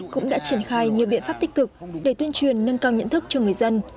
cũng đã triển khai nhiều biện pháp tích cực để tuyên truyền nâng cao nhận thức cho người dân